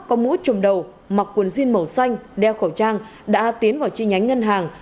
có mũ trùm đầu mặc quần jean màu xanh đeo khẩu trang đã tiến vào chi nhánh ngân hàng